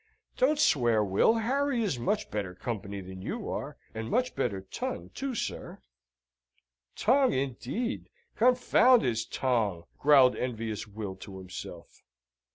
Don't swear, Will, Harry is much better company than you are, and much better ton too, sir." "Tong, indeed! Confound his tong," growled envious Will to himself.